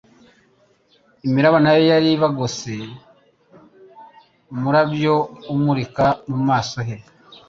imiraba na yo yari ibagose, umurabyo umurika mu maso he,